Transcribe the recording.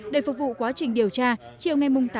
để phục vụ quá trình điều tra chiều ngày mùng ba